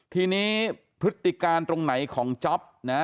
ทีนี้พฤษฎีการณ์ตรงไหนของจป